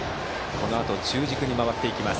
このあと中軸に回っていきます。